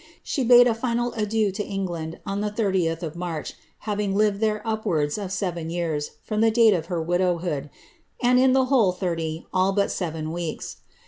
She bade a final adieu to England on the 30th of March, having fed there npwarda of seven years from the date of her widowhood, and the whole thirty, all but seven weeks.